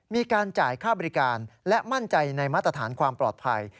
มีการจ่ายค่าบริการและมั่นใจในมาตรฐานความปลอดภัย